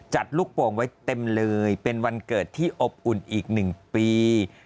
ลูกโป่งไว้เต็มเลยเป็นวันเกิดที่อบอุ่นอีก๑ปี